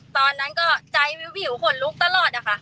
ตอนนั้นก็ใจวิวขนลุกตลอดนะคะ